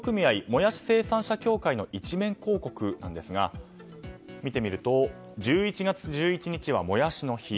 もやし生産社協会の一面広告なんですが見てみると１１月１１日はもやしの日。